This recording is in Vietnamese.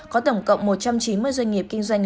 có tổng cộng một trăm chín mươi doanh nghiệp kinh doanh